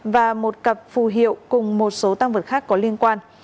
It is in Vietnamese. và một cặp phù hiệu cùng một số tăng vật khác có liên quan